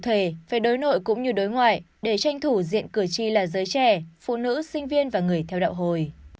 thể về đối nội cũng như đối ngoại để tranh thủ diện cử tri là giới trẻ phụ nữ sinh viên và người theo đạo hồi